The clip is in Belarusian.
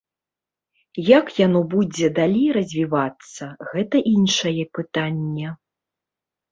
Як яно будзе далей развівацца, гэта іншае пытанне.